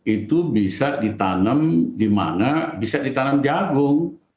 itu bisa ditanam di mana bisa ditanam jagung